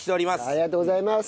ありがとうございます。